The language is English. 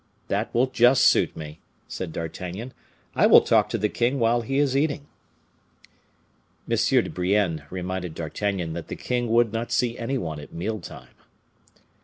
"That will just suit me," said D'Artagnan. "I will talk to the king while he is eating." M. de Brienne reminded D'Artagnan that the king would not see any one at meal time.